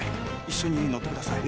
一緒に乗ってください。